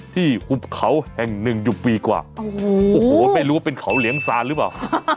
หุบเขาแห่งหนึ่งอยู่ปีกว่าโอ้โหไม่รู้ว่าเป็นเขาเหลียงซานหรือเปล่า